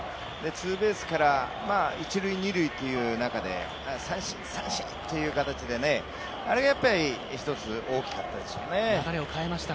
ツーベースから一塁・二塁という中で、三振、三振っていう形で、あれがやっぱり一つ大きかったですね。